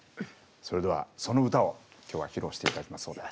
それではその歌を今日は披露して頂きます。